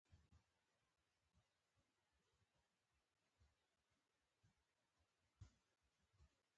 تېر کال له جرمني څخه کابل ته راغلی دی.